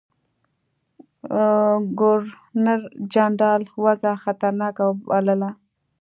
ګورنرجنرال وضع خطرناکه وبلله.